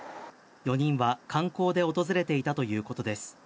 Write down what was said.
４人は観光で訪れていたということです。